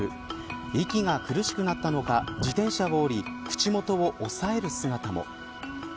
息が苦しくなったのか自転車を降り口元を押さえる姿も。